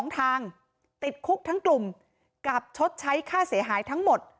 ทางติดคุกทั้งกลุ่มกับชดใช้ค่าเสียหายทั้งหมด